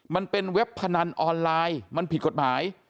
เว็บพนันออนไลน์มันผิดกฎหมาย